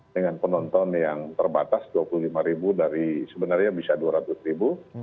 dengan penonton yang terbatas dua puluh lima ribu dari sebenarnya bisa dua ratus ribu